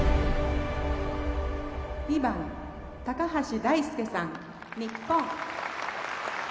「２番橋大輔さん日本」。